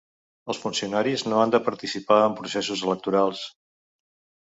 Els funcionaris no han de participar en processos electorals.